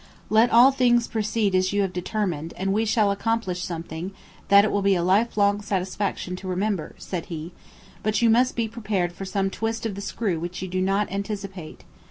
"Let all things proceed as you have determined, and we shall accomplish something that it will be a life long satisfaction to remember," said he; "but you must be prepared for some twist of the screw which you do not anticipate.